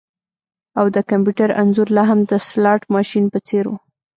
او د کمپیوټر انځور لاهم د سلاټ ماشین په څیر و